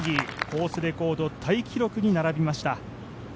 コースレコードタイ記録に並びました。